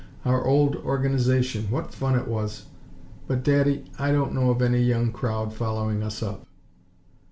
Our old Organization! What fun it was! But, Daddy, I don't know of any young crowd following us up."